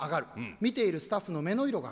見ているスタッフの目の色が変わる。